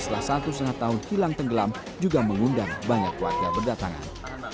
setelah satu setengah tahun hilang tenggelam juga mengundang banyak warga berdatangan